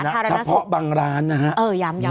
เดี๋ยวก่อนนะเฉพาะบางร้านนะฮะเออย้ำ